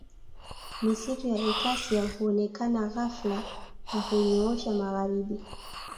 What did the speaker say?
Misitu ya Acacia huonekana ghafla na hunyoosha magharibi